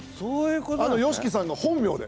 あのＹＯＳＨＩＫＩさんが本名で。